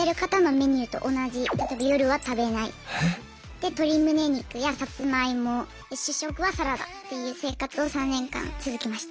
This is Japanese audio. で鶏むね肉やさつまいも主食はサラダっていう生活を３年間続けました。